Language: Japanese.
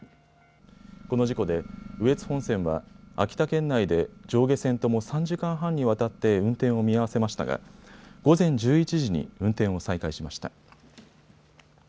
この事故で羽越本線は秋田県内で上下線とも３時間半にわたって運転を見合わせましたが午前１１時に運転を再開しました。